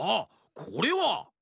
これは。